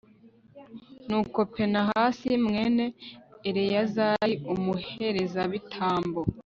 nuko pinehasi, mwene eleyazari umuherezabitambo